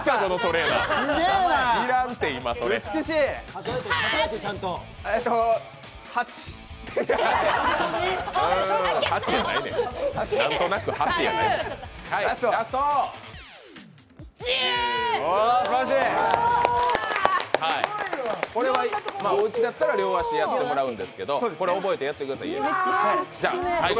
えーと、８ふざけんな、死ぬこれはおうちだったら両足やってもらうんですけど、これ覚えてやってください。